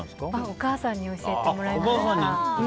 お母さんに教えてもらいました。